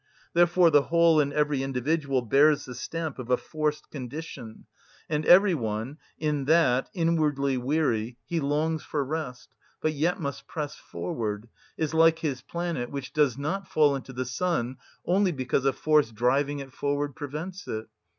Therefore the whole and every individual bears the stamp of a forced condition; and every one, in that, inwardly weary, he longs for rest, but yet must press forward, is like his planet, which does not fall into the sun only because a force driving it forward prevents it.